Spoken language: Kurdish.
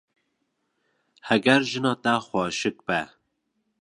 Heger jina te xweşik be.